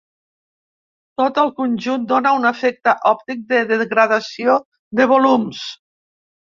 Tot el conjunt dóna un efecte òptic de degradació de volums.